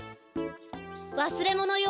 わすれものよ。